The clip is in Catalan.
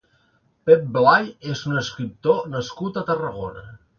Pep Blay és un escriptor nascut a Tarragona.